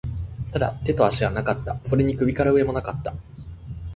ただ、手と足はなかった。それに首から上も無かった。